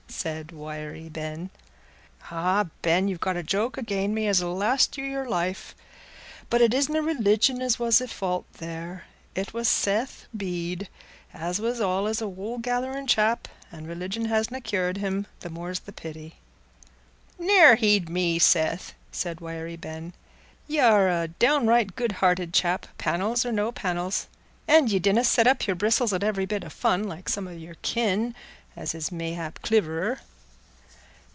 said Wiry Ben. "Ah, Ben, you've got a joke again' me as 'll last you your life. But it isna religion as was i' fault there; it was Seth Bede, as was allays a wool gathering chap, and religion hasna cured him, the more's the pity." "Ne'er heed me, Seth," said Wiry Ben, "y' are a down right good hearted chap, panels or no panels; an' ye donna set up your bristles at every bit o' fun, like some o' your kin, as is mayhap cliverer."